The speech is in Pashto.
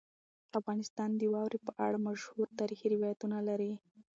افغانستان د واورې په اړه مشهور تاریخي روایتونه لري.